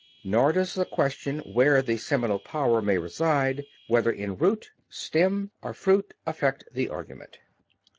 Nor does the question where the seminal power may reside, whether in root, stem, or fruit, affect the argument.